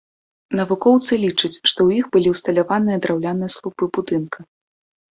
Навукоўцы лічаць, што ў іх былі ўсталяваныя драўляныя слупы будынка.